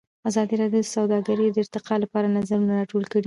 ازادي راډیو د سوداګري د ارتقا لپاره نظرونه راټول کړي.